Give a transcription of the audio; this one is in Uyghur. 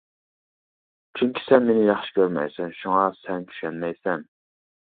چۈنكى سەن مېنى ياخشى كۆرمەيسەن، شۇڭا سەن چۈشەنمەيسەن!